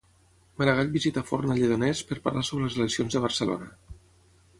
Maragall visita Forn a Lledoners per parlar sobre les eleccions de Barcelona.